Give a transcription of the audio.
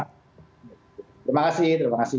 terima kasih terima kasih